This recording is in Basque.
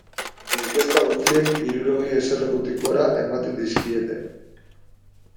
Inkesta guztiek hirurogei eserlekutik gora ematen dizkiete.